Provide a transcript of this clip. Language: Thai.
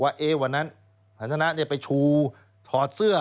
ว่าวันนั้นหันธนะไปชูถอดเสื้อ